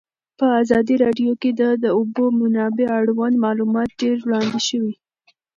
په ازادي راډیو کې د د اوبو منابع اړوند معلومات ډېر وړاندې شوي.